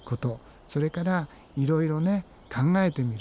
それからいろいろ考えてみるっていうこと。